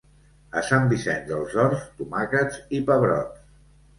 A Sant Vicenç dels Horts, tomàquets i pebrots.